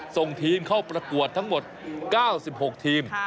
ส่งทีมเข้าประกวดทั้งหมด๙๖ทีม